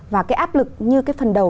và cái áp lực như cái phần đầu